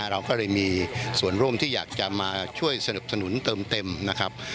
เราก็เลยมีส่วนร่วมที่อยากจะมาช่วยสนับสนุนเติมเต็มนะครับ